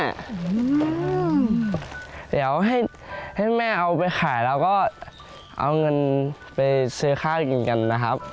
เดี๋ยวให้แม่เอาไปขายแล้วก็เอาเงินไปซื้อข้าวกินกันนะครับ